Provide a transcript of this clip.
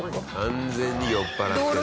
完全に酔っ払ってるな。